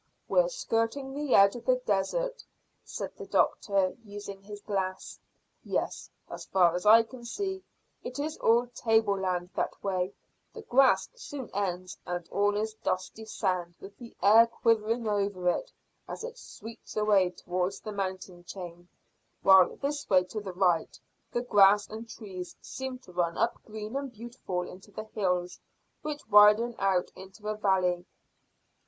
"We're skirting the edge of the desert," said the doctor, using his glass. "Yes, as far as I can see it is all tableland that way; the grass soon ends, and all is dusty sand with the air quivering over it as it sweeps away towards the mountain chain, while this way to the right the grass and trees seem to run up green and beautiful into the hills, which widen out into a valley."